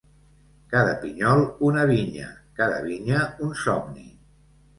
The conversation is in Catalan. Cada pinyol una vinya, cada vinya un somni.